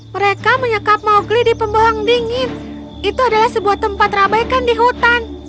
mereka menyekap mowgli di pembohong dingin itu adalah sebuah tempat rabaikan di hutan